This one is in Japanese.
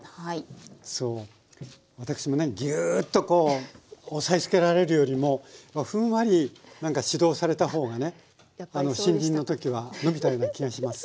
私もねギューッとこう押さえつけられるよりもふんわりなんか指導されたほうがね新人の時は伸びたような気がします。